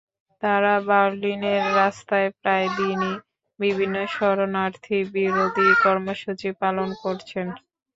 তারা বার্লিনের রাস্তায় প্রায় দিনই বিভিন্ন শরণার্থী বিরোধী কর্মসূচি পালন করছেন।